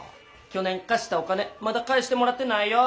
去年貸したお金まだ返してもらってないよ。